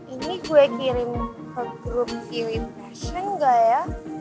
ini gue kirim ke grup vw passion gak ya